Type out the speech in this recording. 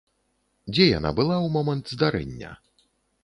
Дзе яна была ў момант здарэння?